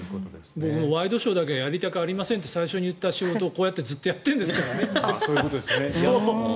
ワイドショーだけはやりたくありませんって最初に言った仕事をこうやってずっとやってるわけですからね。